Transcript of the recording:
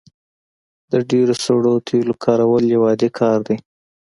د ډیرو سړو تیلو کارول یو عادي کار دی